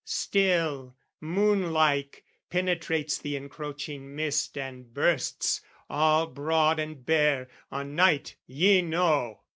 Still, moon like, penetrates the encroaching mist And bursts, all broad and bare, on night, ye know!